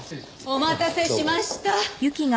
お待たせしました。